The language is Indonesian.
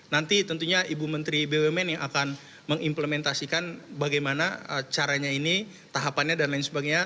nanti tentunya ibu menteri bumn yang akan mengimplementasikan bagaimana caranya ini tahapannya dan lain sebagainya